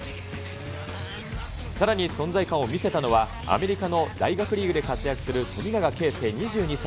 さらに存在感を見せたのは、アメリカの大学リーグで活躍する富永啓生２２歳。